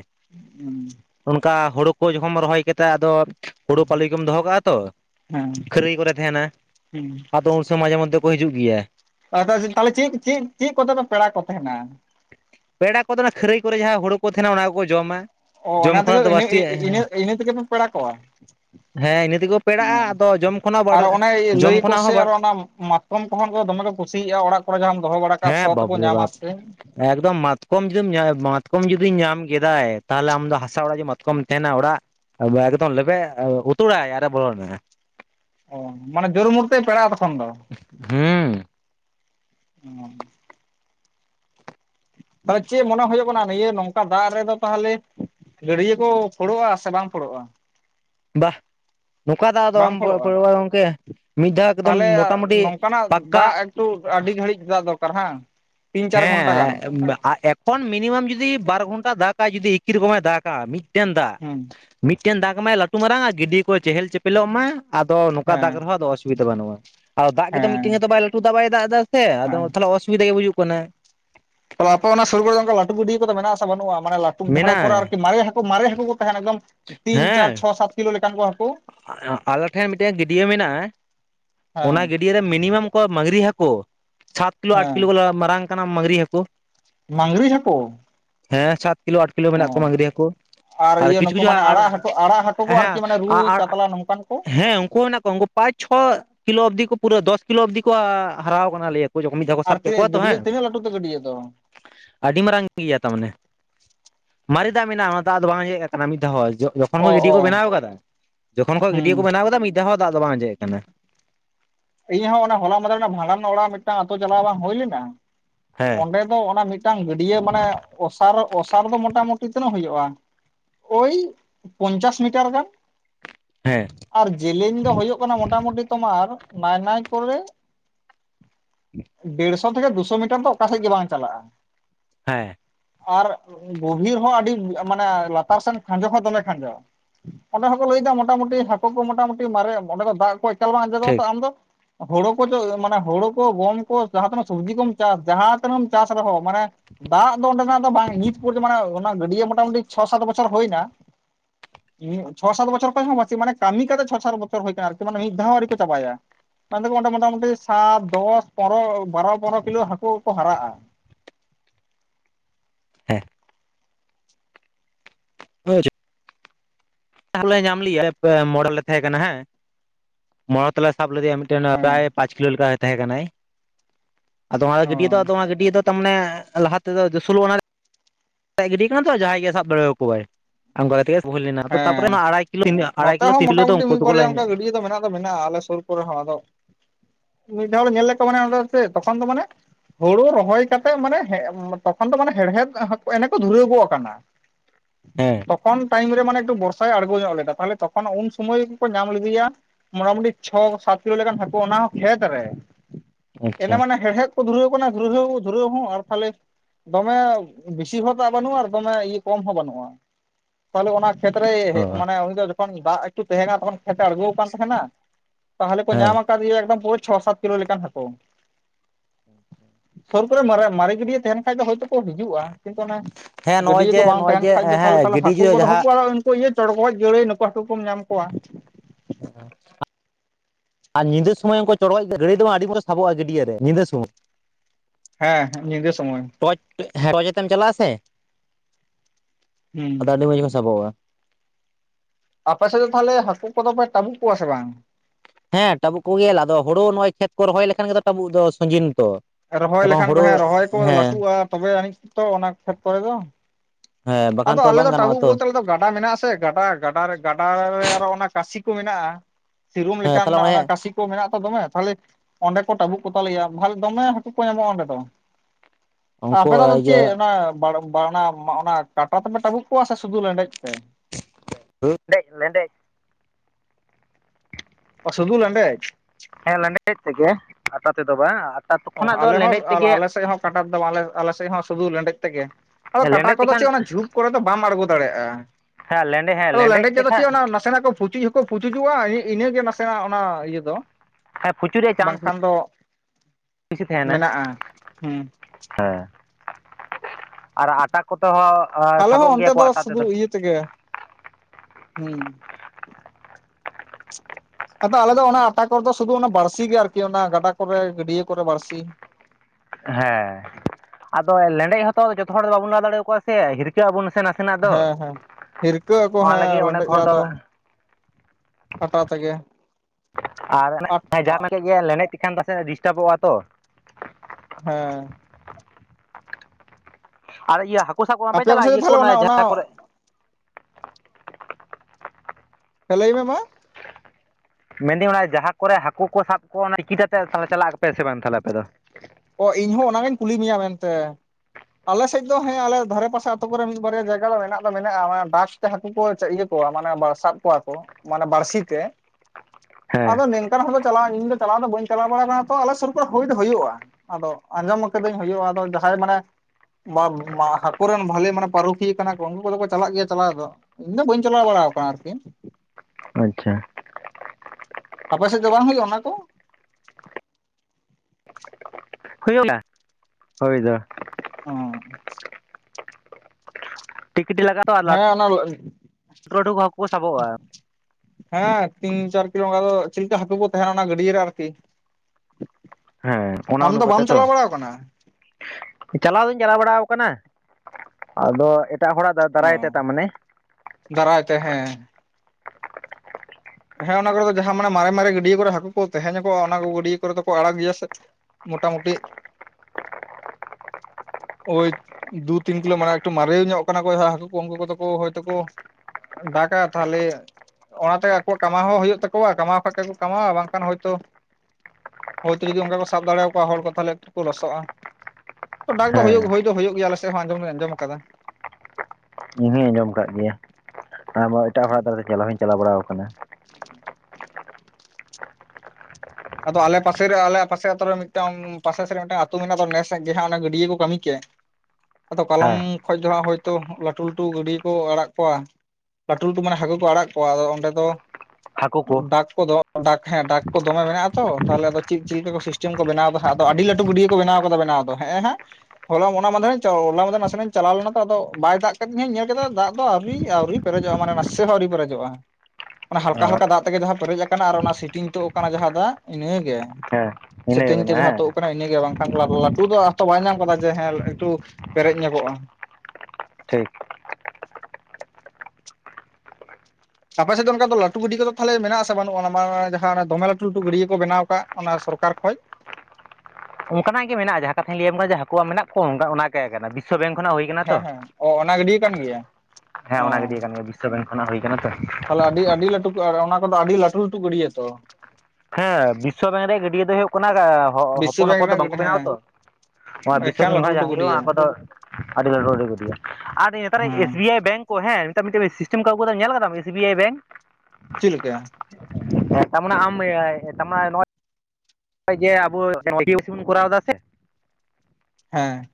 ᱚᱱᱠᱟ ᱦᱳᱲᱳ᱾ ᱦᱳᱭ ᱡᱚᱠᱷᱚᱢᱵᱚ ᱨᱚᱦᱚᱭ ᱠᱮᱫᱛᱮ ᱟᱫᱚ᱾ ᱦᱳᱲᱳ ᱯᱟᱞᱤ ᱠᱚᱢ ᱫᱚᱦᱚ ᱠᱟᱜᱼᱟ ᱛᱚ, ᱦᱮᱸ ᱠᱷᱟᱹᱨᱟᱹᱭ ᱠᱚᱨᱮ ᱛᱟᱦᱮᱱᱟ, ᱦᱮᱸ ᱟᱫᱚ ᱩᱱ ᱥᱚᱢᱚᱭ ᱢᱟᱡᱷ ᱢᱚᱫᱽᱫᱷᱮ᱾ ᱦᱤᱡᱩᱜ ᱜᱮᱭᱟ᱾ ᱟᱫᱚ ᱛᱟᱦᱚᱞᱮ ᱪᱮᱫ ᱪᱮᱫ ᱪᱮᱫ ᱠᱚᱛᱮ ᱯᱮ ᱯᱮᱲᱟ ᱠᱚ ᱛᱟᱦᱮᱱᱟ? ᱯᱮᱲᱟ ᱠᱚᱫᱚ ᱱᱟ ᱠᱷᱟᱹᱨᱟᱹᱭ ᱠᱚᱨᱮ ᱡᱟᱦᱟᱸ ᱦᱳᱲᱳ ᱠᱚ ᱛᱟᱦᱮᱸᱱᱟ ᱚᱱᱟ ᱠᱚᱠᱚ ᱡᱚᱢᱟ᱾ ᱚ ᱚᱱᱟ ᱡᱚᱢ ᱛᱮᱜᱮ ᱠᱷᱚᱱᱟᱜ ᱫᱚ ᱤᱱᱟᱹ ᱵᱟᱹᱲᱛᱤ ᱤᱱᱟᱹ ᱤᱱᱟᱹ ᱛᱮᱜᱮ ᱯᱮ ᱯᱮᱲᱟ ᱠᱚᱣᱟ᱾ ᱦᱮᱸ ᱤᱱᱟᱹ ᱛᱮᱠᱚ ᱢᱟ ᱯᱮᱲᱟᱜᱼᱟ ᱟᱫᱚ ᱡᱚᱢ ᱠᱷᱚᱱᱟᱜ ᱟᱨ ᱚᱱᱮ ᱡᱚᱢ ᱠᱷᱚᱱᱟᱜ ᱞᱟᱹᱭᱟᱠᱚᱥᱮ ᱦᱚᱸ ᱟᱨᱚ ᱚᱱᱟ ᱢᱟ᱾ ᱯᱚᱢ ᱠᱚᱦᱚᱸ ᱫᱚᱢᱮ ᱠᱚ ᱠᱩᱥᱤᱭᱟᱜᱼᱟ ᱚᱲᱟᱜ ᱠᱚᱨᱮ ᱡᱟᱦᱟᱸᱢ ᱫᱚᱦᱚ ᱵᱟᱲᱟ ᱠᱟᱜ ᱥᱚ ᱦᱮᱸ ᱛᱮᱠᱚ ᱵᱟᱯᱨᱮ ᱧᱟᱢᱟ ᱵᱟᱯ ᱥᱮ᱾ ᱮᱠᱫᱚᱢ ᱢᱟᱛᱠᱚᱢ ᱡᱩᱫᱤᱢ ᱢᱟᱛᱠᱚᱢ ᱡᱩᱫᱤ ᱧᱟᱢ ᱠᱮᱫᱟᱭ ᱛᱟᱦᱚᱞᱮ ᱟᱢ ᱫᱚ ᱦᱟᱥᱟ ᱚᱲᱟᱜ ᱡᱮ ᱢᱟᱛᱠᱚᱢ ᱛᱟᱦᱮᱱᱟ ᱚᱲᱟᱜ᱾ ᱵᱟᱦᱨᱮ ᱠᱷᱚᱱ ᱞᱮᱵᱮ ᱩᱛᱳᱲᱟᱭ ᱟᱨᱮ ᱵᱚᱞᱚᱱᱟ᱾ ᱚ ᱢᱟᱱᱮ ᱡᱳᱨ ᱢᱩᱨ ᱛᱮ ᱯᱮᱲᱟᱜᱼᱟ ᱛᱚᱠᱷᱚᱱ ᱫᱚ ᱦᱩᱸ ᱚ᱾ ᱛᱟᱦᱚᱞᱮ ᱪᱮᱫ ᱢᱚᱱᱮ ᱦᱳᱭᱳᱜ ᱠᱟᱱᱟ ᱱᱤᱭᱟᱹ ᱱᱚᱝᱠᱟ ᱫᱟᱜ ᱨᱮᱫᱚ ᱛᱟᱦᱚᱞᱮ? ᱜᱟᱹᱰᱭᱟᱹ ᱠᱚ ᱯᱷᱳᱲᱚᱜᱼᱟ ᱥᱮ ᱵᱟᱝ ᱯᱷᱳᱲᱚᱜᱼᱟ? ᱵᱟᱦ ᱱᱚᱝᱠᱟ ᱫᱚ ᱟᱫᱚ ᱵᱟᱝ ᱟᱢ ᱯᱷᱳᱲᱳᱜᱼᱟ ᱯᱳᱲᱳ ᱜᱚᱢᱠᱮ ᱢᱤᱫ ᱫᱷᱟᱣ ᱮᱠᱫᱚᱢ ᱢᱚᱴᱟᱢᱩᱴᱤ ᱯᱟᱠᱠᱟ᱾ ᱛᱚ ᱟᱹᱰᱤ ᱜᱷᱟᱹᱲᱤᱡ ᱫᱟᱜ ᱫᱚᱨᱠᱟᱨ ᱦᱟᱸ᱾ ᱦᱮᱸ ᱮᱠᱷᱚᱱ ᱢᱤᱱᱤᱢᱟᱢ ᱡᱩᱫᱤ ᱵᱟᱨ ᱜᱷᱚᱱᱴᱟ ᱫᱟᱜᱟᱭ ᱡᱩᱫᱤ ᱮᱠᱤ ᱨᱚᱠᱚᱢᱮ ᱫᱟᱜᱼᱼ ᱢᱤᱫᱴᱮᱱ ᱫᱟᱜ ᱦᱩᱸ ᱢᱤᱫᱴᱮᱱ ᱫᱟᱜᱽ ᱢᱟᱭ ᱞᱟᱹᱴᱩ ᱢᱟᱨᱟᱝ ᱟᱨ ᱜᱤᱰᱤᱭᱟ ᱠᱚ ᱪᱮᱦᱮᱞ ᱪᱮᱯᱮᱞᱚᱜ ᱢᱟ᱾ ᱟᱫᱚ ᱱᱚᱝᱠᱟ ᱦᱮᱸ ᱫᱟᱜᱽ ᱨᱮᱦᱚᱸ ᱟᱫᱚ ᱚᱥᱩᱵᱤᱫᱟ ᱵᱟᱹᱱᱩᱜᱼᱟ᱾ ᱟᱨ ᱫᱟᱜ ᱜᱮᱛᱚ ᱦᱮᱸ ᱢᱤᱫᱴᱮᱱ ᱦᱚᱜ ᱵᱟᱭ ᱞᱟᱹᱴᱩ ᱫᱟᱜ ᱵᱟᱭ ᱫᱟᱜ ᱮᱫᱟ ᱥᱮ ᱟᱫᱚ ᱦᱮᱸ ᱛᱟᱦᱚᱞᱮ ᱚᱥᱩᱵᱤᱫᱷᱟ ᱜᱮ ᱵᱩᱡᱩᱜ ᱠᱟᱱᱟ᱾ ᱛᱟᱦᱞᱮ ᱟᱯᱮ ᱚᱱᱟ ᱥᱩᱨ ᱨᱮ ᱚᱱᱠᱟ ᱞᱟᱹᱴᱩ ᱜᱩᱰᱤᱭᱟ ᱠᱚᱫᱚ ᱢᱮᱱᱟᱜᱼᱟ ᱥᱮ ᱵᱟᱹᱱᱩᱜᱼᱟ ᱢᱟᱱᱮ ᱞᱟ. ᱴᱩ ᱡᱷᱟᱲᱮ ᱠᱚᱨᱮ ᱢᱮᱱᱟᱜᱼᱟ ᱟᱨᱤ ᱢᱟᱨᱮ ᱢᱟᱨᱮ ᱦᱟᱹᱠᱩ ᱠᱚ ᱛᱟᱦᱮᱱᱟ ᱮᱠᱫᱚᱢ ᱛᱤᱱ ᱪᱟᱨ ᱦᱮᱸ ᱪᱷᱚ ᱥᱟᱛ ᱠᱤᱞᱳ ᱞᱮᱠᱟᱱ ᱠᱚ ᱦᱟᱹᱠᱩ ᱟᱞᱮ ᱴᱷᱮᱱ ᱢᱤᱫᱴᱮᱱ ᱜᱟᱹᱰᱭᱟᱹ ᱢᱮᱱᱟᱜᱼᱟ ᱚᱱᱟ ᱦᱮᱸ ᱜᱟᱹᱰ ᱜᱤᱰᱭᱟᱹ ᱨᱮ ᱢᱤᱱᱤᱢᱟᱢ ᱠᱚ ᱢᱟᱜᱽᱨᱤ ᱦᱟᱹᱠᱩ ᱥᱟᱛ ᱠᱤᱞᱳ ᱟᱴ ᱦᱮᱸ ᱠᱤᱞᱳ ᱢᱟᱨᱟᱝ ᱠᱟᱱᱟ ᱢᱟᱸᱜᱽᱨᱤ ᱦᱟᱹᱠᱩ᱾ ᱢᱟᱝᱜᱨᱤ ᱦᱟᱹᱠᱩ ᱦᱮᱸ ᱥᱟᱛ ᱠᱤᱞᱳ ᱟᱴ ᱠᱤᱞᱳ ᱚ ᱢᱮᱱᱟᱜ ᱠᱚᱣᱟ ᱢᱟᱝᱜᱨᱤ ᱦᱟᱹᱠᱩ ᱟᱨ ᱤᱭᱟᱹ ᱠᱤᱪᱷᱩ ᱱᱩᱠᱩ ᱠᱤᱪᱷᱩ ᱢᱟᱱᱮ ᱟᱲᱟᱜ ᱦᱟᱹᱠᱩ ᱟᱲᱟᱜ ᱦᱟᱹᱠᱩ ᱠᱚ ᱟᱨᱠᱤ ᱦᱮᱸ ᱢᱟᱱᱮ ᱨᱩᱭ ᱟᱨ ᱠᱟᱛᱞᱟ ᱱᱚᱝᱠᱟᱱ ᱠᱚ ᱦᱮᱸ ᱩᱱᱠᱩ ᱦᱚᱸ ᱢᱮᱱᱟᱜ ᱠᱚᱣᱟ ᱩᱱᱠᱩ ᱯᱟᱸᱪ ᱪᱷᱚ ᱠᱤᱞᱳ ᱚᱵᱽᱫᱤ ᱠᱚ ᱯᱩᱨᱟᱹ ᱫᱚᱥ ᱠᱤᱞᱳ ᱚᱵᱽᱫᱤ ᱠᱚ ᱦᱟᱨᱟ ᱟᱠᱟᱱᱟ ᱞᱟᱹᱭᱟ ᱠᱚ᱾ ᱡᱚᱠᱷᱚᱱ ᱢᱤᱫ ᱫᱷᱟᱣ ᱠᱚ ᱟᱨ ᱥᱟᱵ ᱠᱮᱫ ᱛᱤᱱᱟᱹᱜ ᱠᱚᱣᱟ ᱛᱚ ᱜᱟᱹᱰᱭᱟᱹ ᱦᱮᱸ ᱛᱤᱱᱟᱹᱜ ᱞᱟᱹᱴᱩ ᱛᱮ ᱜᱟᱹᱰᱭᱟᱹ ᱫᱚ ᱟᱹᱰᱤ ᱢᱟᱨᱟᱝ ᱜᱮᱭᱟ ᱛᱟ ᱢᱟᱱᱮ᱾ ᱢᱟᱨᱮ ᱫᱟᱜ ᱢᱮᱱᱟᱜᱼᱟ ᱚᱱᱟ ᱫᱟᱜ ᱫᱚ ᱵᱟᱝ ᱟᱸᱡᱮᱫ ᱟᱠᱟᱱᱟ ᱢᱤᱫ ᱫᱷᱟᱣ ᱦᱚᱸ ᱚ ᱡᱚᱠᱷᱚᱱ ᱜᱟᱹᱰᱤᱭᱟ ᱚ ᱠᱚ ᱵᱮᱱᱟᱣ ᱟᱠᱟᱫᱟ᱾ ᱡᱚᱠᱷᱚᱱ ᱠᱷᱚᱡ ᱦᱩᱸ ᱜᱟᱹᱰᱭᱟ ᱠᱚ ᱵᱮᱱᱟᱣ ᱟᱠᱟᱫᱟ ᱢᱤᱫ ᱫᱷᱟᱣ ᱫᱟᱜ ᱫᱚ ᱵᱟᱝ ᱟᱸᱡᱮᱫ ᱟᱠᱟᱱᱟ᱾ ᱤᱧ ᱦᱚᱸ ᱦᱚᱞᱟ ᱢᱟᱫᱮᱨ ᱨᱮᱱᱟᱜ ᱵᱷᱟᱸᱰᱟᱱ ᱚᱲᱟᱜ ᱢᱤᱫᱴᱟᱝ ᱟᱛᱳ ᱪᱟᱞᱟᱣ ᱵᱟᱝ ᱦᱩᱭ ᱞᱮᱱᱟ ᱦᱮᱸ ᱚᱸᱰᱮ ᱟᱫᱚ ᱚᱱᱟ ᱢᱤᱫᱴᱟᱝ ᱜᱟᱹᱰᱭᱟᱹ ᱢᱟᱱᱮ ᱚᱥᱟᱨ ᱚᱥᱟᱨ ᱫᱚ ᱢᱚᱴᱟ ᱢᱩᱴᱤ ᱛᱤᱱᱟᱹᱜ ᱦᱩᱭᱩᱜᱼᱟ ᱚᱭ ᱯᱚᱧᱪᱟᱥ ᱢᱤᱴᱟᱨ ᱜᱟᱱ ᱦᱮᱸ ᱟᱨ ᱡᱮᱞᱮᱧ ᱫᱚ ᱦᱩᱭᱩᱜ ᱠᱟᱱᱟ ᱢᱳᱴᱟᱢᱩᱴᱤ ᱛᱳᱢᱟᱨ ᱱᱟᱭ ᱱᱟᱭ ᱠᱚᱨᱮ ᱰᱮᱲᱥᱚᱛᱷᱮᱠᱮ ᱫᱩᱥᱚ ᱢᱤᱴᱟᱨ ᱫᱚ ᱚᱠᱟᱥᱮᱫ ᱜᱮ ᱵᱟᱝ ᱪᱟᱞᱟᱜᱼᱟ ᱦᱮᱸ ᱟᱨ ᱜᱚᱵᱷᱤᱨ ᱦᱚᱸ ᱟᱹᱰᱤ ᱢᱟᱱᱮ ᱞᱟᱛᱟᱨ ᱥᱮᱱ ᱠᱷᱟᱸᱡᱚ ᱦᱚᱸ ᱫᱚᱢᱮ ᱠᱷᱟᱸᱡᱚ ᱚᱸᱰᱮ ᱦᱚᱸᱠᱚ ᱞᱟᱹᱭᱫᱟ ᱢᱚᱴᱟᱢᱩᱴᱤ ᱦᱟᱹᱠᱩ ᱠᱚ ᱢᱚᱴᱟᱢᱩᱴᱤ ᱢᱟᱨᱮ ᱚᱸᱰᱮ ᱫᱚ ᱫᱟᱜ ᱠᱚ ᱮᱠᱟᱞ ᱵᱟᱝ ᱟᱸᱡᱮᱫᱚᱜᱼᱟ ᱴᱷᱤᱠ ᱛᱚ ᱟᱢ ᱫᱚ ᱦᱳᱲᱳ ᱠᱚᱫᱚ ᱢᱟᱱᱮ ᱦᱳᱲᱳ ᱠᱚ ᱜᱚᱢ ᱠᱚ ᱡᱟᱦᱟᱸ ᱛᱤᱱᱟᱹᱜ ᱥᱚᱵᱽᱡᱤ ᱠᱚᱢ ᱪᱟᱥ ᱡᱟᱦᱟᱸ ᱛᱤᱱᱟᱹᱜ ᱮᱢ ᱪᱟᱥ ᱨᱮᱦᱚᱸ ᱢᱟᱱᱮ ᱫᱟᱜ ᱫᱚ ᱚᱸᱰᱮᱱᱟᱜ ᱫᱚ ᱵᱟᱝ ᱱᱤᱛ ᱯᱚᱨ ᱢᱟᱱᱮ ᱚᱱᱟ ᱜᱟᱹᱰᱭᱟᱹ ᱢᱚᱴᱟᱢᱩᱴᱤ ᱪᱷᱚ ᱥᱟᱛ ᱵᱚᱪᱷᱚᱨ ᱦᱩᱭᱱᱟ ᱪᱷᱚ ᱥᱟᱛ ᱵᱚᱪᱚᱨ ᱠᱷᱚᱡ ᱦᱚᱸ ᱵᱮᱥᱤ ᱢᱟᱱᱮ ᱠᱟᱹᱢᱤ ᱠᱟᱛᱮ ᱪᱷᱚ ᱥᱟᱛ ᱵᱚᱪᱚᱨ ᱦᱩᱭ ᱠᱟᱱᱟ ᱟᱨᱠᱤ ᱢᱟᱱᱮ ᱢᱤᱫ ᱫᱷᱟᱣ ᱟ. ᱣᱨᱤ ᱪᱟᱵᱟᱭᱟ ᱢᱮᱱ ᱫᱟᱠᱚ ᱚᱸᱰᱮ ᱢᱚᱴᱟ ᱢᱚᱴᱤ ᱥᱟᱛ ᱫᱚᱥ ᱯᱚᱱᱨᱚ ᱵᱟᱨᱚ ᱯᱚᱱᱨᱚ ᱠᱤᱞᱳ ᱦᱟᱹᱠᱩ ᱠᱚ ᱦᱟᱨᱟᱜᱼᱟ᱾ ᱦᱮᱸ [unintelligible] ᱛᱟᱦᱞᱮ ᱧᱟᱢ ᱞᱮᱭᱟ ᱢᱚᱲᱟ ᱦᱚᱲ ᱞᱮ ᱛᱟᱦᱮᱸ ᱠᱟᱱᱟ ᱦᱮᱸ ᱢᱚᱲᱟ ᱛᱮᱞᱮ ᱥᱟᱵ ᱞᱮᱫᱮᱭᱟ ᱢᱤᱫᱴᱮᱱ ᱦᱮᱸ ᱯᱨᱟᱭ ᱯᱟᱸᱪ ᱠᱤᱞᱳ ᱞᱮᱠᱟ ᱛᱟᱦᱮᱸ ᱠᱟᱱᱟᱭ, ᱟᱫᱚ ᱚᱱᱟ ᱚ ᱜᱟᱹᱰᱭᱟᱹ ᱫᱚ ᱟᱫᱚ ᱜᱟᱹᱰᱭᱟᱹ ᱫᱚ, ᱛᱟᱨ ᱢᱟᱱᱮ ᱞᱟᱦᱟ ᱛᱮᱫᱚ ᱥᱚᱞᱳ ᱟᱱᱟ ᱮ ᱜᱤᱰᱤ ᱠᱟᱱᱟ ᱛᱚ ᱡᱟᱦᱟᱸᱭ ᱜᱮᱭ ᱥᱟᱵ ᱫᱟᱲᱮᱭ ᱟᱠᱚᱣᱟᱭ᱾ ᱚᱱᱠᱟ ᱠᱟᱛᱮ ᱥᱟᱵ ᱦᱳᱭᱞᱮᱱᱟ, ᱛᱟᱯᱚᱨᱮ ᱦᱮᱸ ᱟᱲᱟᱭ ᱠᱤᱞᱳ ᱛᱤᱱ ᱟᱲᱟᱭ ᱱᱚᱛᱮ ᱠᱤᱞᱳ ᱦᱚᱸ ᱛᱤᱱ ᱠᱤᱞᱳ ᱢᱚᱴᱟᱢᱩᱴᱤ ᱩᱱᱠᱩ ᱢᱤᱫ ᱫᱚ ᱵᱚᱞᱮ ᱵᱟᱨᱭᱟ ᱚᱱᱠᱟ ᱜᱟᱹᱰᱭᱟᱹ ᱫᱚ ᱢᱮᱱᱟᱜ ᱢᱮᱱᱟᱜᱼᱟ ᱟᱞᱮ ᱥᱩᱨ ᱠᱚᱨᱮ ᱚᱱᱟ ᱫᱚ ᱢᱤᱫ ᱫᱷᱟᱣ ᱦᱚᱲ ᱧᱮᱞ ᱞᱮᱠᱚ ᱢᱟᱱᱮ ᱚᱸᱰᱮ ᱛᱚᱠᱷᱚᱱ ᱫᱚ ᱢᱟᱱᱮ ᱦᱳᱲᱩ ᱨᱚᱦᱚᱭ ᱠᱟᱛᱮᱜ ᱢᱟᱱᱮ ᱦᱮ ᱛᱚᱠᱷᱚᱱ ᱫᱚ ᱢᱟᱱᱮ ᱦᱮᱲᱦᱮᱫ ᱮᱱᱮ ᱠᱚ ᱫᱷᱩᱨᱟᱹᱣ ᱜᱚᱜ ᱟᱠᱟᱱᱟ᱾ ᱛᱚᱠᱷᱚᱱ ᱴᱟᱤᱢ ᱨᱮ ᱢᱟᱱᱮ ᱮᱠᱴᱩ ᱵᱚᱨᱥᱟᱭ ᱟᱬᱜᱚ ᱧᱚᱜ ᱞᱮᱫᱟ ᱛᱟᱦᱚᱞᱮ ᱛᱚᱠᱷᱚᱱ ᱩᱱ ᱥᱚᱢᱚᱭ ᱜᱮᱠᱚ ᱧᱟᱢ ᱞᱮᱫᱮᱭᱟ ᱢᱚᱴᱟᱢᱩᱴᱤ ᱪᱷᱚ ᱥᱟᱛ ᱠᱤᱞᱳ ᱞᱮᱠᱟᱱ ᱦᱟᱹᱠᱩ ᱚᱱᱟ ᱦᱚᱸ ᱠᱷᱮᱛ ᱨᱮ ᱮᱱᱮ ᱟᱪᱪᱷᱟ ᱢᱟᱱᱮ ᱦᱮᱲᱦᱮᱫ ᱫᱷᱩᱨᱟᱹᱣ ᱠᱟᱱᱟ ᱫᱷᱩᱨᱣ ᱫᱷᱩᱨᱟᱹᱣ ᱦᱚᱸ ᱟᱨ ᱛᱟᱦᱞᱮ ᱫᱚᱢᱮ ᱵᱮᱥᱤ ᱦᱚᱸ ᱫᱟᱜ ᱵᱟᱹᱱᱩᱜᱼᱟ ᱟᱨ ᱫᱚᱢᱮ ᱤᱭᱟᱹ ᱠᱚᱢ ᱦᱚᱸ ᱵᱟᱹᱱᱩᱜᱼᱟ᱾ ᱛᱟᱦᱚᱞᱮ ᱚᱱᱟ ᱠᱷᱮᱛᱨᱮ ᱚ ᱢᱟᱱᱮ ᱩᱱᱤ ᱫᱚ ᱡᱚᱠᱷᱚᱱ ᱫᱟᱜ ᱮᱠᱴᱩ ᱛᱟᱦᱮᱸ ᱠᱟᱱᱟ ᱛᱚᱠᱷᱚᱱ ᱠᱷᱮᱛ ᱮ ᱟᱬᱜᱚ ᱟᱠᱟᱱ ᱛᱟᱦᱮᱱᱟ᱾ ᱛᱟᱦᱚᱞᱮ ᱠᱚ ᱦᱮᱸ ᱧᱟᱢ ᱟᱠᱟᱫᱮᱭᱟ ᱮᱠᱫᱚᱢ ᱯᱩᱨᱟᱹ ᱪᱷᱚ ᱥᱟᱛ ᱠᱤᱞᱳ ᱞᱮᱠᱟᱱ ᱦᱟᱠᱳ᱾ ᱥᱳᱨ ᱠᱚᱨᱮ ᱢᱟᱨᱮ ᱢᱟᱨᱮ ᱜᱟᱹᱰᱭᱟᱹ ᱛᱟᱦᱮᱱ ᱠᱷᱟᱡ ᱫᱚ ᱦᱭᱛᱳ ᱠᱚ ᱦᱤᱡᱩᱜᱼᱟ, ᱠᱤᱱᱛᱩ ᱚᱱᱮ ᱦᱮᱸ ᱱᱚᱜᱼᱚᱭ ᱜᱟᱹᱰᱟᱹᱭᱟᱹ ᱠᱚ ᱡᱮ ᱵᱟᱝ ᱱᱚᱜᱼᱚᱭ ᱛᱟᱸᱦᱮᱱ ᱡᱮ ᱠᱷᱟᱡ ᱦᱮᱸ ᱛᱟᱦᱚᱞᱮ ᱜᱤᱰᱤ ᱦᱟᱠᱼᱼ ᱦᱟᱹᱠᱩ ᱡᱮ ᱠᱚ ᱫᱚᱦᱚ ᱡᱟᱦᱟᱸ ᱠᱚᱣᱟ ᱟᱨ ᱩᱱᱠᱩ ᱤᱭᱟᱹ ᱪᱚᱲᱜᱚᱡ ᱜᱟᱹᱲᱟᱹᱭ ᱱᱩᱠᱩ ᱦᱟᱹᱠᱩ ᱠᱚᱢ ᱧᱟᱢ ᱠᱚᱣᱟ᱾ ᱦᱩᱸ᱾ ᱟᱨ ᱧᱤᱫᱟᱹ ᱥᱚᱢᱚᱭ ᱦᱚᱸᱠᱚ ᱪᱚᱲᱚᱡ ᱜᱟᱹᱲᱟᱹᱭ ᱫᱚ ᱟᱹᱰᱤ ᱫᱚ ᱵᱟᱝ ᱟᱹᱰᱤ ᱢᱚᱸ ᱥᱟᱵᱚᱜᱼᱟ ᱜᱰᱭᱟᱹᱨ ᱨᱮ ᱧᱤᱫᱟᱹ ᱥᱚᱢᱚᱭ᱾ ᱦᱮᱸ ᱦᱮᱸ ᱧᱤᱫᱟᱹ ᱥᱚᱢᱚᱭ᱾ ᱴᱚᱪ ᱦᱮᱸ ᱴᱚᱪᱛᱮᱢ ᱪᱟᱞᱟᱜᱼᱟ ᱥᱮ ᱦᱩᱸ ᱟᱫᱚ ᱟᱹᱰᱤ ᱢᱚᱸᱡᱽ ᱜᱮ ᱥᱟᱵᱚᱜᱼᱟ᱾ ᱟᱯᱮ ᱥᱮᱫ ᱫᱚ ᱛᱟᱦᱚᱞᱮ ᱦᱟᱹᱠᱩ ᱠᱚᱫᱚ ᱯᱮ ᱴᱟᱵᱩᱜ ᱠᱚᱣᱟ ᱥᱮ ᱵᱟᱝ? ᱦᱮᱸ ᱴᱟᱵᱩᱜ ᱠᱚᱜᱮ ᱟᱫᱚ ᱦᱩᱲᱩ ᱱᱚᱜ ᱠᱷᱮᱛ ᱠᱚ ᱨᱚᱦᱚᱭ ᱞᱮᱠᱷᱟᱱ ᱜᱮ ᱟᱫᱚ ᱴᱟᱵᱩᱜ ᱫᱚ ᱥᱚᱸᱡᱤᱱ ᱛᱚ᱾ ᱨᱚᱦᱚᱭ ᱮᱵᱚᱝ ᱞᱮᱠᱷᱟᱱ ᱠᱚ ᱦᱮᱸ ᱦᱳᱲᱳ ᱨᱚᱦᱚᱭ ᱠᱚ ᱦᱮᱸ ᱞᱟᱹᱴᱩᱜᱼᱟ ᱛᱚᱵᱮ ᱟᱹᱱᱤᱡ ᱛᱚ ᱚᱱᱟ ᱠᱷᱮᱛ ᱠᱚᱨᱮ ᱫᱚ᱾ ᱦᱮᱸ ᱟᱫᱚ ᱵᱟᱠᱷᱟᱱ ᱛᱚ ᱟᱞᱮ ᱵᱟᱝ ᱫᱚ ᱜᱟᱱᱚᱜᱼᱟ ᱴᱟᱵᱩᱜ ᱛᱚ ᱵᱚᱞᱛᱮ ᱜᱟᱰᱟ ᱢᱮᱱᱟᱜᱼᱟ ᱥᱮ ᱜᱟᱰᱟ, ᱜᱟᱰᱟ ᱨᱮ ᱜᱟᱰᱟ ᱟᱨᱦᱚᱸ ᱚᱱᱟ ᱠᱟᱥᱤ ᱠᱚ ᱢᱮᱱᱟᱜᱼᱟ, ᱥᱤᱨᱩᱢ ᱦᱮᱸ ᱞᱮᱠᱟᱢ ᱛᱟᱦᱞᱮ ᱢᱮᱱᱟᱜ ᱚᱱᱟ ᱚᱱᱮ ᱠᱟᱥᱤ ᱠᱚ ᱢᱮᱱᱟᱜ ᱟ ᱛᱚ ᱫᱚᱢᱮ ᱛᱟᱦᱞᱮ ᱚᱸᱰᱮ ᱠᱚ ᱴᱟᱵᱩᱜ ᱠᱚ ᱛᱟᱞᱮᱭᱟ ᱛᱟᱦᱚᱞᱮ ᱫᱚᱢᱮ ᱦᱟᱹᱠᱩ ᱠᱚ ᱧᱟᱢᱚᱜᱼᱟ ᱚᱸᱰᱮ ᱫᱚ᱾ ᱩᱱᱠᱩ ᱟᱯᱮ ᱫᱚ ᱟᱫᱚ ᱤᱭᱟᱹ ᱪᱮᱫ ᱚᱱᱟ ᱵᱟᱲᱚᱢ ᱚᱱᱟ ᱚᱱᱟ ᱠᱟᱴᱟ ᱛᱮᱯᱮ ᱴᱟᱵᱩᱜ ᱠᱚᱣᱟ ᱥᱮ ᱥᱩᱫᱷᱩ ᱞᱮᱸᱰᱮᱡ ᱛᱮ? [unintelligible] ᱞᱮᱸᱰᱮᱡ ᱞᱮᱸᱰᱮᱡ᱾ ᱚ ᱥᱩᱫᱷᱩ ᱞᱮᱸᱰᱮᱡ? ᱦᱮᱸ ᱞᱮᱸᱰᱮᱛ ᱛᱮᱜᱮ ᱟᱸᱴᱟ ᱛᱮᱫᱚ ᱵᱟᱝ ᱟᱴᱟ ᱛ ᱚ ᱠᱷᱚᱱᱟᱜ ᱫᱚ ᱟᱞᱮ ᱦᱚᱸ ᱞᱮᱸᱰᱮᱡ ᱛᱮᱜᱮ ᱟᱞᱮ ᱥᱮᱫ ᱦᱚᱸ ᱠᱟᱴᱟ ᱫᱚ ᱟᱞᱮ ᱟᱞᱮᱮᱫ ᱦᱚᱸ ᱥᱩᱫᱩ ᱞᱮᱸᱰᱮᱛ ᱛᱮᱜᱮ᱾ ᱟᱫᱚ ᱠᱟᱴᱟ ᱞᱮᱸᱰᱮᱡ ᱠᱚᱫᱚ ᱛᱮᱠᱷᱟᱱ ᱪᱮᱫ ᱡᱷᱩᱯ ᱠᱚᱨᱮ ᱫᱚ ᱵᱟᱢ ᱟᱬᱜᱚ ᱫᱟᱲᱮᱭᱟᱜᱼᱟ, ᱦᱮᱸ ᱞᱮᱸᱰᱮᱡ ᱦᱮᱸ ᱟᱫᱚ ᱞᱮᱸᱰᱮᱡ ᱛᱮᱫᱚ ᱛᱮᱠᱷᱟᱱ ᱪᱮᱫ ᱱᱟᱥ ᱱᱟᱥᱮᱱᱟᱜ ᱠᱚ ᱯᱷᱩᱪᱩᱡ ᱦᱚᱸᱠᱚ ᱯᱷᱩᱪᱩᱡᱚᱜᱼᱟ ᱤᱱᱟᱹᱜᱮ ᱱᱟᱥᱮᱱᱟᱜ ᱚᱱᱟ ᱤᱭᱟᱹ ᱫᱚ᱾ ᱦᱮᱸ ᱯᱷᱩᱪᱩᱡᱽ ᱨᱮᱭᱟᱜ ᱪᱟᱱᱥ ᱵᱤ ᱵᱟᱝᱠᱷᱟᱱ ᱫᱚ ᱥᱤ ᱛᱟᱸᱦᱮᱱᱟ ᱢᱮᱱᱟᱜᱼᱟ ᱦᱩᱸ ᱦᱮᱸ᱾ ᱟᱨ ᱟᱴᱟ ᱠᱚᱛᱮ ᱦᱚᱸ ᱮᱻ ᱥᱟᱵᱚᱜ ᱜᱮᱭᱟ ᱠᱚ ᱟᱴᱟ ᱛᱮᱫᱚ᱾ ᱴᱷᱤᱠ ᱜᱮ ᱦᱩᱢ᱾ ᱟᱫᱚ ᱟᱞᱮ ᱫᱚ ᱚᱱᱟ ᱟᱴᱟ ᱠᱚᱨᱮ ᱫᱚ ᱥᱩᱫᱷᱩ ᱚᱱᱟ ᱵᱟᱹᱲᱥᱤ ᱜᱮ ᱟᱨ ᱠᱤ ᱚᱱᱟ ᱜᱟᱰᱟ ᱠᱚᱨᱮ ᱜᱟᱹᱰᱭᱟᱹ ᱠᱚᱨᱮ ᱵᱟᱹᱲᱥᱤ, ᱦᱮᱸ ᱟᱫᱚ ᱞᱮᱸᱰᱮᱡ ᱦᱚᱸᱛᱚ ᱡᱚᱛᱚ ᱦᱚᱲ ᱫᱚ ᱵᱟᱵᱩᱱ ᱞᱟ ᱫᱟᱲᱮᱭᱟᱠᱚᱣᱟ ᱥᱮ ᱦᱤᱨᱠᱟᱹ ᱟᱵᱚᱱ ᱥᱮ ᱱᱟᱥ ᱦᱮᱸ ᱦᱮᱸ ᱦᱤᱨᱠᱟᱹ ᱟᱠᱚ ᱦᱮᱸ ᱞᱟᱹᱜᱤᱫ ᱚᱱᱮᱠ ᱞᱮᱸᱰᱮᱡ ᱦᱚᱲ ᱞᱟ ᱫᱚ, ᱟᱴᱟ ᱛᱮ ᱜᱮ᱾ ᱟᱨ ᱮᱱ ᱡᱟᱦᱟᱱᱟᱜ [unintelligible] ᱛᱮᱠᱷᱟᱱ ᱯᱟᱥᱮ ᱰᱤᱥᱴᱟᱵᱚᱜᱼᱟ ᱛᱚ᱾ ᱦᱮᱸ᱾ ᱟᱨ ᱤᱭᱟᱹ ᱦᱟᱹᱠᱩ ᱥᱟᱵ ᱠᱚ ᱵᱟᱯᱮ ᱟᱯᱮ ᱪᱟᱞᱟᱜᱼᱟ ᱠᱚᱥᱮᱫ ᱫᱚ ᱤᱭᱟᱹ ᱠᱚ ᱛᱟᱦᱚᱞᱮ ᱚᱱᱟ ᱚᱱᱟ ᱡᱟᱦᱟᱸ ᱠᱚᱨᱮ? ᱦᱮᱸ ᱞᱟᱹᱭ ᱢᱮ ᱢᱟ᱾ ᱢᱮᱱᱫᱟᱹᱧ ᱚᱱᱟ ᱡᱟᱦᱟ ᱠᱚᱨᱮ ᱦᱟᱹᱠᱩ ᱠᱚ ᱥᱟᱵ ᱠᱚᱣᱟ ᱚᱱᱟ ᱤᱠᱟᱹ ᱠᱟᱛᱮ ᱪᱟᱞᱟᱜ ᱟᱯᱮ ᱥᱮ ᱵᱟᱝ ᱛᱟᱦᱚᱞᱮ ᱟᱯᱮ ᱫᱚ᱾ ᱚ ᱤᱧ ᱦᱚᱸ ᱚᱱᱟᱜᱤᱧ ᱠᱩᱞᱤ ᱢᱮᱭᱟ ᱢᱮᱱᱛᱮ᱾ ᱟᱞᱮᱥᱮᱫ ᱫᱚ ᱦᱮᱸ ᱟᱞᱮ ᱫᱷᱟᱨᱮ ᱯᱟᱥᱮ ᱟᱛᱳ ᱠᱚᱨᱮ ᱢᱤᱫ ᱵᱟᱨᱭᱟ ᱡᱟᱭᱜᱟ ᱫᱚ ᱢᱮᱱᱟᱜ ᱫᱚ ᱢᱮᱱᱟᱜᱼᱟ ᱚᱱᱟ ᱰᱟᱠᱥ ᱦᱟᱹᱠᱩ ᱠᱚ ᱤᱭᱟᱹ ᱠᱚᱣᱟ ᱢᱟᱱᱮ ᱥᱟᱵ ᱠᱚᱣᱟ ᱠᱚ ᱢᱟᱱᱮ ᱵᱟᱹᱲᱥᱤ ᱛᱮ᱾ ᱟᱫᱚ ᱦᱮᱸ ᱱᱤᱝᱠᱟᱱ ᱦᱚᱲᱫᱚ ᱪᱟᱞᱟᱣ ᱤᱧ ᱫᱚ ᱪᱟᱞᱟᱣ ᱫᱚ ᱵᱟᱹᱧ ᱪᱟᱞᱟᱣ ᱵᱟᱲᱟᱣ ᱟᱠᱟᱱᱟ ᱛᱚ ᱟᱞᱮ ᱥᱩᱨ ᱠᱚᱨᱮ ᱦᱩᱭ ᱫᱚ ᱦᱩᱭᱩᱜ-ᱟ ᱟᱫᱚ ᱟᱸᱡᱚᱢ ᱟᱠᱟᱹᱫᱟᱹᱧ ᱦᱩᱭᱩᱜ-ᱟ ᱟᱫᱚ ᱡᱟᱦᱟᱭ ᱢᱟᱱᱮ ᱵᱟ ᱵᱟ ᱦᱟᱹᱠᱩᱨᱮᱱ ᱵᱷᱟᱞᱮ ᱢᱟᱱᱮ ᱯᱟᱹᱨᱩᱠᱷᱤᱭᱟᱹ ᱠᱟᱱᱟ ᱠᱚ ᱩᱱᱠᱩ ᱫᱚᱠᱚ ᱪᱟᱞᱟᱜ ᱜᱮᱭᱟ ᱪᱟᱞᱟᱣ ᱫᱚ ᱤᱧ ᱫᱚ ᱵᱟᱹᱧ ᱪᱟᱞᱟᱣ ᱵᱟᱲᱟ ᱟᱠᱟᱱᱟ ᱟᱨᱠᱤ ᱟᱪᱪᱷᱟ ᱟᱯᱮ ᱥᱮᱫ ᱫᱚ ᱵᱟᱝ ᱦᱩᱭᱩᱜ-ᱟ ᱚᱱᱟ ᱠᱚ ᱦᱩᱭᱩᱜ-ᱟ ᱦᱩᱭ ᱫᱚ ᱚᱻ ᱴᱤᱠᱤᱴ ᱞᱟᱜᱟᱣ-ᱟ ᱦᱮᱸ ᱚᱱᱟ ᱞᱟᱴᱩ ᱠᱚ ᱦᱟᱹᱠᱩ ᱠᱚ ᱥᱟᱵᱚᱜ-ᱟ ᱦᱮᱸ ᱛᱤᱱ ᱪᱟᱨ ᱠᱤᱞᱳ ᱚᱱᱠᱟ ᱫᱚ ᱪᱮᱫ ᱞᱮᱠᱟ ᱦᱟᱹᱠᱩ ᱠᱚ ᱛᱟᱦᱮᱱᱟ ᱚᱱᱟ ᱜᱟᱹᱰᱭᱟᱹ ᱨᱮ ᱟᱨᱠᱤ ᱦᱮᱸ ᱚᱱᱟ ᱟᱢ ᱫᱚ ᱵᱟᱢ ᱚᱱᱩᱯᱟᱛᱮ ᱛᱚ ᱪᱟᱞᱟᱣ ᱵᱟᱲᱟ ᱠᱟᱱᱟ ᱪᱟᱞᱟᱣ ᱫᱩᱧ ᱪᱟᱞᱟᱣ ᱵᱟᱲᱟᱣ ᱠᱟᱱᱟ ᱟᱫᱚ ᱮᱴᱟᱜ ᱦᱚᱲᱟᱜ ᱚ ᱫᱟᱨᱟᱭ ᱛᱮ ᱛᱟᱨ ᱢᱟᱱᱮ ᱫᱟᱨᱟᱭ ᱛᱮ ᱦᱮᱸ ᱦᱮᱸ ᱚᱱᱟ ᱠᱚᱨᱮ ᱫᱚ ᱡᱟᱦᱟᱸ ᱢᱟᱱᱮ ᱢᱟᱨᱮ ᱢᱟᱨᱮ ᱜᱟᱹᱰᱭᱟᱹ ᱠᱚᱨᱮ ᱦᱟᱹᱠᱩ ᱠᱚ ᱛᱮᱦᱮᱸ ᱧᱚᱜ-ᱟ ᱚᱱᱟ ᱠᱚ ᱜᱟᱹᱰᱭᱟᱹ ᱠᱚᱨᱮ ᱫᱚ ᱠᱚ ᱟᱲᱟᱜ ᱜᱮᱭᱟᱥᱮ ᱢᱚᱴᱟᱢᱩᱴᱤ ᱳᱭ ᱫᱩ ᱛᱤᱱ ᱠᱤᱞᱳ ᱢᱟᱱᱮ ᱮᱠᱴᱩ ᱢᱟᱨᱮ ᱧᱚᱜ ᱠᱟᱱᱟ ᱡᱟᱦᱟᱭ ᱦᱟᱹᱠᱩ ᱠᱚ ᱩᱱᱠᱩ ᱠᱚᱫᱚ ᱠᱚ ᱦᱚᱭᱛᱚ ᱠᱚ ᱰᱟᱠ ᱟᱭ ᱛᱟᱦᱞᱮ ᱚᱱᱟᱛᱮ ᱟᱠᱚᱣᱟᱜ ᱠᱟᱢᱟᱣ ᱦᱚᱸ ᱦᱩᱭᱩᱜ ᱛᱟᱠᱚᱣᱟ ᱠᱟᱢᱟᱣ ᱠᱷᱟᱱ ᱠᱚ ᱠᱚᱢᱟᱣᱟ ᱵᱟᱝᱠᱷᱟᱱ ᱦᱚᱭᱛᱚ ᱦᱳᱭᱛᱚ ᱡᱚᱫᱤ ᱠᱚ ᱚᱱᱠᱟ ᱠᱚ ᱥᱟᱵ ᱫᱟᱲᱮᱭᱟᱠᱚᱣᱟ ᱦᱚᱲ ᱠᱚ ᱛᱟᱦᱞᱮ ᱠᱚ ᱞᱚᱥᱚᱜ-ᱟ ᱰᱟᱠ ᱫᱚ ᱦᱩᱭᱩᱜ ᱦᱮᱸ ᱦᱩᱭ ᱫᱚ ᱦᱩᱭᱩᱜ ᱜᱮᱭᱟ ᱟᱞᱮ ᱥᱮᱫ ᱦᱚᱸ ᱟᱸᱡᱚᱢ ᱫᱚᱧ ᱟᱸᱡᱚᱢ ᱟᱠᱟᱫᱟ ᱤᱧ ᱦᱚᱧ ᱟᱸᱡᱚᱢ ᱟᱠᱟᱫ ᱜᱮᱭᱟ ᱟᱨ ᱮᱴᱟᱜ ᱦᱚᱲᱟᱜ ᱫᱟᱨᱮ ᱪᱟᱞᱟᱣ ᱦᱚᱧ ᱪᱟᱞᱟᱣ ᱵᱟᱲᱟ ᱟᱠᱟᱱᱟ ᱟᱫᱚ ᱟᱞᱮ ᱯᱟᱥᱮ ᱨᱮ ᱟᱞᱮᱭᱟᱜ ᱯᱟᱥᱮ ᱟᱛᱳ ᱨᱮ ᱢᱤᱫᱴᱟᱝ᱾ ᱯᱟᱥᱮ ᱥᱮᱜ ᱨᱮ ᱢᱤᱫᱴᱟᱝ ᱟᱛᱳ ᱢᱮᱱᱟᱜ ᱫᱚ ᱱᱮᱥ ᱡᱟᱦᱟᱸ ᱚᱱᱮ ᱜᱟᱹᱰᱭᱟᱹ ᱠᱚ ᱠᱟᱹᱢᱤ ᱠᱮᱜ ᱟᱫᱚ ᱠᱚᱞᱚᱢᱼᱼ ᱦᱮᱸ ᱠᱷᱚᱡ ᱫᱚ ᱦᱟᱸᱜ ᱦᱳᱭᱛᱳ ᱞᱟᱹᱴᱩ - ᱞᱟᱹᱴᱩ ᱜᱟᱹᱰᱭᱟᱹ ᱠᱚ ᱟᱲᱟᱜ ᱠᱚᱣᱟ᱾ ᱞᱟᱹᱴᱩ ᱞᱟᱹᱴᱩ ᱢᱟᱱᱮ ᱦᱟᱹᱠᱩ ᱠᱚ ᱟᱲᱟᱜ ᱠᱚᱣᱟ ᱟᱫᱚ ᱚᱸᱰᱮ ᱫᱚ ᱦᱟᱹᱠᱩ ᱠᱚ ᱰᱟᱠ ᱠᱚᱫᱚ ᱰᱟᱠ ᱦᱮᱸ ᱰᱟᱠ ᱠᱚ ᱫᱚᱢᱮ ᱢᱮᱱᱟᱜ ᱛᱚ ᱛᱟᱦᱚᱞᱮ ᱟᱫᱚ ᱪᱮᱫ ᱪᱮᱫ ᱞᱮᱠᱟ ᱠᱚ ᱥᱤᱥᱴᱮᱢ ᱠᱚ ᱵᱮᱱᱟᱣ ᱫᱟᱦᱟᱜ ᱟᱫᱚ ᱟᱹᱰᱤ ᱞᱟᱹᱴᱩ ᱜᱟᱰᱭᱟᱹ ᱠᱚ ᱵᱮᱱᱟᱣ ᱠᱟᱫᱟ ᱵᱮᱱᱟᱣ ᱫᱚ ᱦᱮᱸ ᱦᱟᱹᱜᱼᱼ ᱦᱚᱞᱟ ᱚᱱᱟ ᱢᱟᱫᱷᱮᱨ ᱚᱱᱟ ᱢᱟᱫᱷᱮᱨ ᱱᱟᱥᱮ ᱤᱧ ᱪᱟᱞᱟᱣ ᱞᱮᱱᱟ ᱛᱚ ᱟᱫᱚ ᱵᱟᱭ ᱫᱟᱜ ᱠᱟᱛᱮ [unintelligible] ᱧᱮᱞ ᱠᱮᱫᱟ ᱫᱟᱜ ᱫᱚ ᱟᱹᱣᱨᱤ ᱟᱹᱣᱨᱤᱼᱼ ᱯᱮᱨᱮᱡᱚᱜᱼᱟ ᱢᱟᱱᱮ ᱱᱟᱥᱮ ᱦᱚᱸ ᱟᱹᱣᱨᱤ ᱯᱮᱨᱮᱡᱚᱜᱼᱟ ᱚᱱᱮ ᱦᱟᱞᱠᱟ ᱦᱟᱞᱠᱟ ᱫᱟᱜ ᱛᱮ ᱜᱮ ᱡᱟᱦᱟᱸ ᱯᱮᱨᱮᱡ ᱟᱠᱟᱱᱟ ᱟᱨ ᱚᱱᱟ ᱥᱤᱴᱤᱝ ᱛᱚᱜ ᱟᱠᱟᱱᱟ ᱡᱟᱦᱟᱸ ᱫᱟᱜ ᱤᱱᱟᱹ ᱜᱮᱼᱼ ᱦᱮᱸ ᱤᱱᱟᱹ ᱜᱮ ᱥᱮᱛᱮᱧ ᱛᱮ ᱢᱮᱱᱟᱜᱼᱟ ᱡᱟᱦᱟᱸ ᱦᱮᱸ ᱛᱩᱫ ᱟᱠᱟᱱᱟ ᱤᱱᱟᱹᱜᱮ ᱵᱟᱝᱠᱷᱟᱱ ᱞᱟᱹᱴᱩ ᱫᱟᱜ ᱦᱚᱸᱛᱚ ᱵᱟᱭ ᱧᱟᱢ ᱟᱠᱟᱫᱟ ᱡᱮ ᱦᱮᱸ ᱮᱠᱴᱩ ᱯᱮᱨᱮᱡ ᱧᱚᱜᱚᱜ-ᱟ ᱴᱷᱤᱠ ᱟᱯᱮ ᱥᱮᱫ ᱫᱚ ᱚᱱᱠᱟ ᱫᱚ ᱞᱟᱹᱴᱩ ᱜᱟᱹᱰᱤ ᱠᱚᱫᱚ ᱛᱟᱦᱞᱮ ᱢᱮᱱᱟᱜᱼᱟ ᱥᱮ ᱵᱟᱹᱱᱩᱜᱼᱟ? ᱚᱱᱟ ᱢᱟᱨᱟᱝ, ᱢᱟᱨᱟᱝ ᱡᱟᱦᱟᱸ ᱚᱱᱟ ᱫᱚᱢᱮ ᱞᱟᱹᱴᱩ ᱞᱟᱹᱴᱩ ᱜᱟᱹᱰᱭᱟᱹ ᱠᱚ ᱵᱮᱱᱟᱣ ᱠᱟᱜ ᱚᱱᱟ ᱥᱚᱨᱠᱟᱨ ᱠᱷᱚᱡ? ᱚᱝᱠᱟᱱᱟᱜ ᱜᱮ ᱢᱮᱱᱟᱜᱼᱟ ᱡᱟᱦᱟᱸ ᱠᱟᱛᱷᱟᱧ ᱞᱟᱹᱭᱟᱢ ᱠᱟᱱᱟ ᱡᱮ ᱦᱟᱹᱠᱳᱣᱟᱜ ᱢᱮᱱᱟᱜ ᱠᱚ ᱚᱱᱟ ᱜᱮ ᱠᱟᱱᱟ ᱵᱤᱥᱥᱚ ᱵᱮᱝ ᱠᱷᱚᱱᱟᱜ ᱦᱳᱭ ᱠᱟᱱᱟ ᱛᱚᱼᱼ ᱦᱮᱸ ᱦᱮᱸ ᱚ ᱚᱱᱟ ᱜᱟᱹᱰᱭᱟᱹ ᱠᱟᱱ ᱜᱮᱭᱟ᱾ ᱦᱮᱸ ᱚ ᱚᱱᱟ ᱜᱟᱹᱰᱭᱟᱹ ᱠᱟᱱ ᱜᱮᱭᱟ ᱵᱤᱥᱥᱚ ᱵᱮᱝ ᱠᱷᱚᱱᱟᱜ ᱦᱳᱭ ᱠᱟᱱᱟ ᱛᱚ᱾ ᱛᱟᱦᱚᱞᱮ ᱟᱹᱰᱤ ᱟᱹᱰᱤ ᱞᱟᱹᱴᱩ ᱟᱨ ᱚᱱᱟ ᱠᱚ ᱫᱚ ᱟᱹᱰᱤ ᱞᱟᱹᱴᱩ ᱞᱟᱹᱴᱩ ᱜᱟᱹᱰᱤᱭᱟᱛᱚ ᱦᱮᱸ ᱵᱤᱥᱥᱚ ᱵᱮᱝᱠ ᱨᱮᱭᱟᱜ ᱜᱟᱹᱰᱭᱟᱹ ᱫᱚ ᱦᱩᱭᱩᱜ ᱠᱟᱱᱟ ᱵᱤᱥᱥᱚ ᱦᱚᱯᱚᱱ ᱵᱮᱝᱠ ᱦᱚᱯᱚᱱ ᱫᱚ ᱨᱮᱱᱟᱜ ᱵᱟᱝ ᱠᱚ ᱵᱮᱱᱟᱣᱟ ᱦᱮᱸ ᱛᱚᱼᱼ ᱱᱚᱣᱟ ᱵᱤᱥᱥᱚ [unintelligible] ᱮᱠᱷᱮᱱ ᱞᱟᱹᱴᱩ ᱞᱟᱹᱴᱩ ᱡᱟᱦᱟᱸ ᱦᱳᱭᱳᱜ-ᱟ ᱜᱟᱹᱰᱭᱟᱹ ᱚᱱᱟ ᱠᱚ ᱫᱚᱼᱼ ᱟᱹᱰᱤ ᱞᱟᱹᱴᱷᱩ ᱞᱟᱹᱴᱷᱩ ᱜᱟᱹᱰᱭᱟ ᱟᱨ ᱱᱮᱛᱟᱨ ᱦᱮᱸ ᱮᱥ ᱵᱤ ᱟᱭ ᱵᱮᱝᱠᱼᱼ ᱦᱮᱸ ᱱᱤᱛᱟᱨ ᱢᱤᱫᱴᱮᱱ ᱥᱤᱥᱴᱮᱢ ᱠᱚ ᱟᱹᱜᱩ ᱟᱠᱟᱫᱟ ᱧᱮᱞ ᱟᱠᱟᱫᱟ ᱵᱤᱱ ᱮᱥ ᱵᱤ ᱟᱭ ᱵᱮᱝᱠᱼᱼ ᱪᱮᱫ ᱞᱮᱠᱟᱼᱼ ᱛᱟᱢᱮ [unintelligible] ᱡᱮ ᱟᱵᱚ ᱠᱮ ᱣᱟᱭ ᱥᱤ ᱵᱚᱱ ᱠᱚᱨᱟᱣ ᱮᱫᱟ ᱥᱮᱼᱼ ᱦᱮᱸ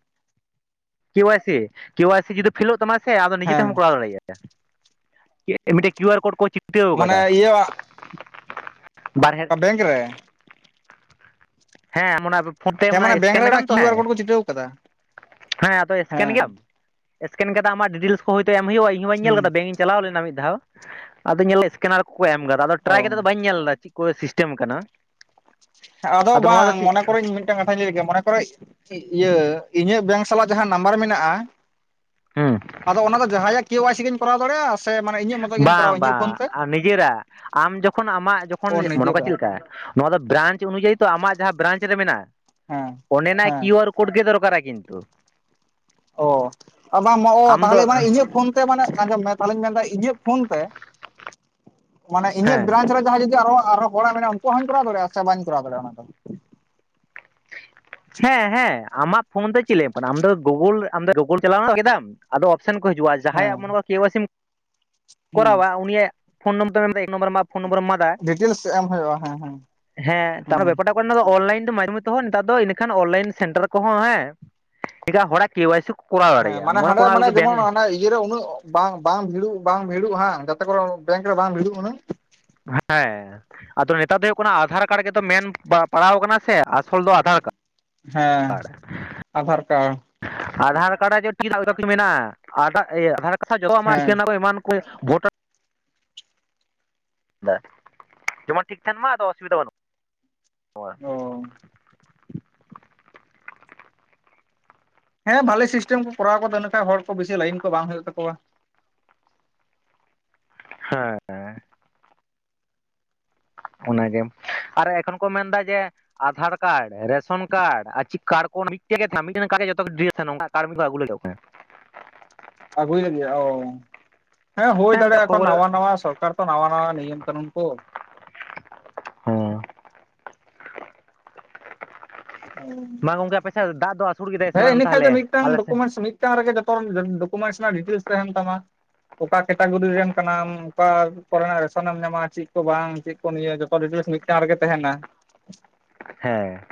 ᱠᱮ ᱣᱟᱭ ᱥᱤ ᱠᱮ ᱣᱟᱭ ᱥᱤ ᱡᱩᱫᱤ ᱯᱷᱮᱞᱳᱜ ᱛᱟᱢᱟ ᱥᱮ ᱟᱫᱚ ᱱᱤᱡᱮ ᱦᱮᱸ ᱛᱮᱦᱚᱢ ᱠᱚᱨᱟᱣ ᱫᱟᱲᱮᱭᱟᱜᱼᱟ ᱢᱤᱫᱴᱟᱝ [unintelligible] ᱠᱤᱭᱩ ᱟᱨ ᱠᱳᱰ ᱪᱤᱼᱼ ᱢᱟᱱᱮ ᱤᱭᱟᱹ ᱵᱟᱨᱦᱮ ᱟᱜ ᱵᱮᱝᱠ ᱨᱮᱼᱼ ᱦᱮᱸ ᱚᱱᱟ ᱯᱷᱳᱱ ᱛᱮ ᱦᱮᱸ ᱢᱟᱱᱮ ᱵᱮᱝᱠ ᱥᱠᱮᱱ ᱨᱮ ᱮᱫᱟᱢ ᱚᱱᱟ ᱛᱚ ᱠᱤᱭᱩ ᱟᱨ ᱦᱮᱸᱼᱼ ᱠᱳᱰ ᱠᱚ ᱪᱷᱤᱴᱟᱹᱣ ᱟᱠᱟᱫᱟ᱾ ᱦᱮᱸ ᱟᱫᱚ ᱥᱠᱮᱱ ᱜᱮᱭᱟᱢ ᱥᱠᱮᱱ ᱠᱟᱛᱮ ᱟᱢᱟᱜ ᱰᱤᱴᱮᱞᱥ ᱠᱚ ᱦᱚᱭᱛᱚ ᱮᱢ ᱦᱩᱭᱩᱜᱼᱟ ᱤᱧ ᱵᱟᱹᱧ ᱧᱮᱞ ᱦᱩᱸ ᱠᱮᱫᱟ ᱵᱮᱝᱠᱼᱼ ᱪᱟᱞᱟᱣ ᱞᱮᱱᱟ ᱢᱤᱫ ᱫᱷᱟᱣ ᱟᱫᱚ ᱧᱮᱞ ᱫᱟ ᱥᱠᱮᱱᱟᱨ ᱠᱚ ᱠᱚ ᱮᱢ ᱠᱟᱫᱟ ᱟᱫᱚ ᱚ ᱴᱨᱟᱭ ᱠᱟᱛᱮ ᱫᱚ ᱵᱟᱹᱧ ᱧᱮᱞ ᱮᱫᱟ ᱪᱮᱫᱼᱼ ᱠᱚ ᱥᱤᱥᱴᱮᱢ ᱟᱠᱟᱱᱟ ᱟᱫᱚ ᱵᱟᱝ ᱢᱚᱱᱮ ᱠᱚᱨᱮᱧᱼᱼ ᱢᱤᱫᱴᱟᱝ ᱠᱟᱛᱷᱟᱧ ᱞᱟᱹᱭ ᱞᱮ ᱜᱮ ᱢᱚᱱᱮ ᱠᱚᱨᱳ ᱤᱭᱟᱹ ᱤᱧᱟᱹᱜ ᱵᱮᱝᱠ ᱥᱟᱞᱟᱜ ᱡᱟᱦᱟᱸ ᱱᱟᱢᱵᱟᱨ ᱢᱮᱱᱟᱜᱼᱟ ᱦᱮᱸ ᱟᱫᱚ ᱚᱱᱟ ᱫᱚ ᱡᱟᱦᱟᱸᱭᱟᱜ ᱠᱮ ᱣᱟᱭ ᱥᱤ ᱜᱤᱧ ᱠᱚᱨᱟᱣ ᱫᱟᱲᱮᱭᱟᱜᱼᱟ ᱥᱮ ᱢᱟᱱᱮ ᱤᱧᱟᱹᱜ ᱢᱚᱛᱚ ᱜᱤᱧ ᱵᱟᱝ ᱠᱚᱨᱟᱣᱟ ᱤᱧᱟᱹᱜ ᱯᱷᱳᱱ ᱛᱮ ᱵᱟᱝ ᱱᱤᱡᱮᱨᱟᱜ ᱟᱢ ᱡᱚᱠᱷᱚᱱ ᱟᱢᱟᱜ ᱡᱚᱠᱷᱚᱱ ᱚ ᱢᱚᱱᱮ ᱠᱚᱣᱟ ᱪᱮᱫ ᱱᱤᱡᱮᱨᱟᱜ ᱞᱮᱠᱟᱼᱼ ᱱᱚᱣᱟ ᱫᱚ ᱵᱨᱟᱧᱪ ᱚᱱᱩᱡᱟᱭᱤ ᱛᱚ ᱟᱢᱟᱜ ᱡᱟᱦᱟᱸ ᱵᱨᱟᱧᱪ ᱨᱮ ᱢᱮᱱᱟᱜᱼᱟ ᱦᱮᱸ ᱚᱱᱰᱮᱱᱟᱜ ᱦᱮᱸ ᱠᱤᱭᱩ ᱟᱨᱼᱼ ᱠᱳᱴ ᱜᱮ ᱫᱚᱨᱠᱟᱨᱟ ᱠᱤᱱᱛᱩᱼᱼ ᱚ ᱵᱟᱝ ᱚ ᱟᱢ ᱫᱚ ᱛᱟᱦᱚᱞᱮ ᱢᱟᱱᱮ ᱤᱧᱟᱹᱜ ᱯᱷᱳᱱ ᱛᱮ ᱢᱟᱱᱮ ᱟᱸᱡᱚᱢ ᱢᱮ ᱛᱟᱦᱚᱞᱮᱧ ᱢᱮᱱᱫᱟ ᱤᱧᱟᱹᱜ ᱯᱷᱳᱱ ᱛᱮᱼᱼ ᱢᱟᱱᱮ ᱤᱧᱟᱹᱜ ᱦᱮᱸ ᱵᱨᱟᱧᱪ ᱨᱮ ᱡᱟᱦᱟᱸᱭ ᱡᱩᱫᱤ ᱟᱨ ᱟᱨᱚ ᱦᱚᱲᱟᱜ ᱢᱮᱱᱟᱜᱼᱟ ᱩᱱᱠᱩᱣᱟᱜ ᱦᱚᱧ ᱠᱚᱨᱟᱣ ᱫᱟᱲᱮᱭᱟᱜᱼᱟ ᱥᱮ ᱵᱟᱹᱧ ᱠᱚᱨᱟᱣ ᱫᱟᱲᱮᱭᱟᱜᱼᱟ ᱚᱱᱟ ᱫᱚᱼᱼ ᱦᱮᱸ ᱦᱮᱸ ᱟᱢᱟᱜ ᱯᱷᱳᱱ ᱫᱚ ᱪᱮᱫ ᱮ ᱞᱟᱭ ᱟᱢ ᱠᱟᱱᱟ ᱟᱢ ᱫᱚ ᱜᱩᱜᱳᱞ ᱟᱢᱫᱚ ᱜᱩᱜᱳᱞ ᱪᱟᱞᱟᱣ ᱠᱮᱫᱟᱢ? ᱟᱫᱚ ᱚᱯᱥᱮᱱ ᱠᱚ ᱦᱤᱡᱩᱜᱼᱟ ᱡᱟᱦᱟᱸᱭᱟᱜ ᱢᱚᱱᱮ ᱦᱮᱸ [unintelligible] ᱠᱮ ᱣᱟᱭ ᱥᱤᱢ ᱦᱩᱸ ᱠᱚᱨᱟᱣᱟ ᱩᱱᱤᱭᱟᱜᱼᱼ ᱯᱷᱳᱱ ᱱᱚᱢᱵᱚᱨ [unintelligible] ᱮᱠ ᱱᱚᱢᱵᱚᱨ ᱯᱷᱳᱱ ᱱᱚᱢᱵᱚᱨᱮᱢ ᱮᱢᱟᱫᱟ ᱰᱤᱴᱮᱞᱥ ᱮᱢ ᱦᱩᱭᱩᱜᱼᱟ ᱦᱮᱸ ᱦᱮᱸ ᱦᱮᱸ ᱛᱟᱦᱚᱞᱮ ᱦᱩᱸ ᱵᱮᱯᱟᱨ ᱴᱟᱜᱼᱼ [unintelligible] ᱚᱱᱞᱟᱭᱤᱱ ᱛᱮ ᱢᱟᱡᱷᱮ [unintelligible] ᱱᱮᱛᱟᱨ ᱫᱚ ᱤᱱᱟᱹ ᱠᱷᱟᱱ ᱚᱱᱞᱟᱭᱤᱱ ᱥᱮᱱᱴᱟᱨ ᱠᱚ ᱦᱚᱸ ᱦᱮᱸ ᱮᱴᱟᱜ ᱦᱚᱲᱟᱜ ᱠᱮᱣᱟᱭᱥᱤᱼᱼ ᱦᱮᱸ ᱢᱟᱱᱮ ᱦᱟᱸᱰᱮ ᱢᱟᱱᱮ ᱡᱮᱢᱚᱱ ᱤᱭᱟᱹᱨᱮ ᱩᱱᱟᱹᱜᱼᱼ ᱵᱟᱝ ᱵᱟᱝ ᱵᱷᱤᱲᱚᱜ ᱵᱟᱝ ᱵᱷᱤᱲᱚᱜ ᱵᱟᱝ ᱡᱟᱛᱮ ᱠᱚ ᱨᱮ ᱵᱮᱝᱠ ᱨᱮ ᱵᱟᱝ ᱵᱷᱤᱲᱚᱜ ᱩᱱᱟᱹᱜᱼᱼ ᱦᱮᱸ ᱟᱫᱚ ᱱᱮᱛᱟᱨ ᱫᱚ ᱦᱩᱭᱩᱜ ᱠᱟᱱᱟ ᱟᱫᱷᱟᱨ ᱠᱟᱨᱰ ᱜᱮ ᱛᱚ ᱢᱮᱱ ᱯᱟᱲᱟᱣ ᱟᱠᱟᱱᱟ ᱥᱮ ᱟᱥᱚᱞ ᱫᱚ ᱟᱫᱷᱟᱨ ᱠᱟᱨᱰᱼᱼ ᱦᱮᱸ ᱟᱫᱷᱟᱨ ᱠᱟᱨᱰ ᱟᱫᱷᱟᱨ ᱠᱟᱨᱰ ᱨᱮᱫᱚ ᱯᱷᱤᱝᱜᱟᱨ ᱯᱨᱤᱱᱴ ᱢᱮᱱᱟᱜ-ᱟ ᱟᱫᱷᱟᱨ ᱠᱟᱨᱰ ᱡ ᱦᱮᱸ ᱮᱢᱟᱱ ᱠᱚ ᱵᱷᱳᱴᱟᱨ ᱡᱮᱢᱚᱱ ᱴᱷᱤᱠ ᱛᱟᱦᱮᱱ ᱢᱟ ᱟᱫᱚ ᱚᱥᱩᱵᱤᱫᱟ ᱵᱟᱹᱱᱩᱜ-ᱟ ᱦᱳᱭ ᱾ ᱚ ᱦᱮᱸ ᱵᱷᱟᱞᱤ ᱥᱤᱥᱴᱮᱢ ᱠᱚᱨᱟᱣ ᱟᱠᱟᱫᱟ ᱤᱱᱟᱹ ᱠᱷᱟᱱ ᱦᱚᱲ ᱠᱚ ᱵᱤᱥᱤ ᱞᱟᱭᱤᱱ ᱠᱚ ᱵᱟᱝ ᱦᱩᱭᱩᱜ ᱛᱟᱠᱚᱣᱟ ᱾ ᱦᱮᱸ ᱚᱱᱟ ᱜᱮ ᱟᱨ ᱮᱠᱷᱚᱱ ᱠᱚ ᱢᱮᱱᱫᱟ ᱡᱮ ᱟᱫᱷᱟᱨ ᱠᱟᱲ ᱨᱮᱥᱚᱱ ᱠᱟᱲ ᱟᱨ ᱪᱮᱫ ᱠᱟᱨᱰᱴ ᱢᱤᱫᱮᱱ ᱠᱚ ᱦᱩᱭᱩᱜ ᱫᱚ ᱟᱜᱩᱭ ᱞᱟᱹᱜᱤᱫ ᱚ ᱦᱮᱸ ᱦᱩᱭ ᱢᱤᱫᱴᱟᱝ ᱫᱟᱲᱭᱟᱜ-ᱟ ᱮᱠᱷᱚᱱ ᱠᱷᱚᱵᱚᱨ ᱱᱟᱣᱟ ᱱᱟᱣᱟ ᱥᱚᱵ ᱱᱮᱛᱟᱨ ᱛᱚ ᱱᱟᱣᱟ ᱱᱟᱣᱟ ᱱᱤᱭᱚᱢ ᱠᱟᱱᱩᱱ ᱠᱚ ᱦᱩᱸ ᱾ ᱚ ᱢᱟ ᱜᱚᱝᱠᱮ ᱟᱯᱮ ᱥᱮᱫ ᱫᱟᱜ ᱫᱚ ᱟᱹᱥᱩᱲ ᱠᱮᱫᱟᱭ ᱥᱮ ᱵᱟᱝ ᱛᱟᱦᱚᱞᱮ ᱟᱞᱮ ᱥᱮᱫ ᱪᱮᱛᱟᱱ ᱨᱮᱜᱮ ᱡᱚᱛᱚ ᱰᱚᱠᱩᱢᱮᱱᱴᱥ ᱨᱮᱱᱟᱜ ᱰᱤᱴᱮᱞᱥ ᱛᱟᱦᱮᱱ ᱛᱟᱢᱟ ᱾ ᱚᱠᱟ ᱠᱮᱴᱟᱜᱚᱨᱤ ᱨᱮᱱ ᱠᱟᱱᱟᱢ ᱚᱠᱟ ᱠᱚᱨᱮᱱᱟᱜ ᱨᱮᱥᱚᱱᱮᱢ ᱧᱟᱢᱟ ᱪᱮᱫ ᱠᱚ ᱵᱟᱝ ᱪᱮᱫ ᱱᱤᱭᱟᱹ ᱡᱚᱛᱚ ᱰᱤᱴᱮᱞᱥ ᱢᱤᱫᱴᱟᱝ ᱨᱮᱜᱮ ᱛᱟᱦᱮᱱᱟ ᱾ ᱦᱮᱸ ᱾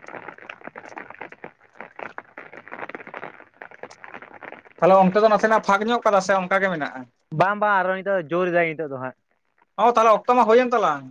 ᱛᱟᱦᱞᱮ ᱚᱱᱛᱮ ᱫᱚ ᱱᱟᱥᱮᱱᱟᱜ ᱯᱷᱟᱸᱠ ᱧᱚᱜ ᱠᱟᱫᱟ ᱥᱮ ᱚᱱᱠᱟᱜ ᱜᱮ ᱢᱮᱱᱟᱜ-ᱟ ᱾ ᱵᱟᱝ ᱵᱟᱝ ᱟᱨᱦᱚᱸ ᱱᱤᱛᱚᱜ ᱫᱚ ᱡᱳᱨ ᱮᱫᱟᱭ ᱱᱤᱛᱚᱜ ᱫᱚ ᱦᱟᱸᱜ ᱾ ᱚ ᱛᱟᱦᱚᱞᱮ ᱚᱠᱛᱚᱢᱟ ᱦᱩᱭ ᱮᱱ ᱛᱟᱞᱟᱝ